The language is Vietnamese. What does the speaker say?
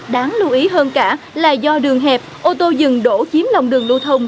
đáng lưu ý hơn cả là do đường hẹp ô tô dừng đổ chiếm lòng đường lưu thông